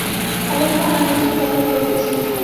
অবশ্য আমার নিজের কথা বলিতেছি না।